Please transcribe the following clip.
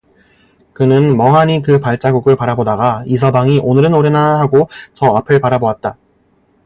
그는 멍하니 그 발자국을 바라보다가 이서방이 오늘은 오려나 하고 저 앞을 바라보았다.